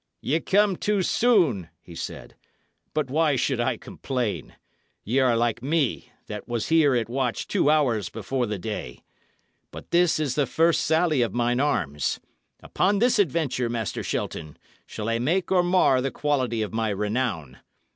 "Ye come too soon," he said; "but why should I complain? Ye are like me, that was here at watch two hours before the day. But this is the first sally of mine arms; upon this adventure, Master Shelton, shall I make or mar the quality of my renown.